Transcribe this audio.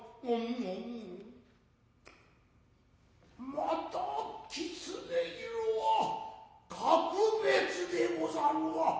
またキツネ色は格別でござるわ。